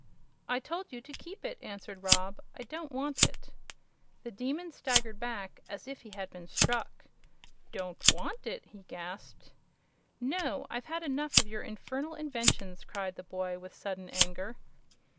"I told you to keep it," answered Rob. "I don't want it." The Demon staggered back as if he had been struck. "Don't want it!" he gasped. "No; I've had enough of your infernal inventions!" cried the boy, with sudden anger.